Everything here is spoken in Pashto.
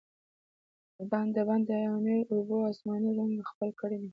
د بند امیر اوبو، آسماني رنګ خپل کړی دی.